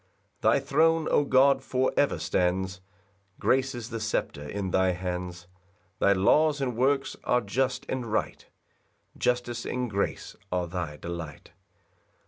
5 Thy throne, O God, for ever stands, Grace is the sceptre in thy hands; Thy laws and works are just and right, Justice and grace are thy delight.